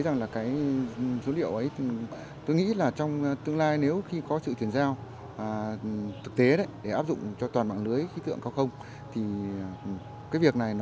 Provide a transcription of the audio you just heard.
ghi nhận dữ liệu phục vụ công tác dự báo thời tiết